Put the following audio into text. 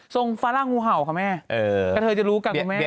ส่งฟ้าลั้งมูเห่าน์เขาค่ะแม่แถวจะรู้กับตัวแม่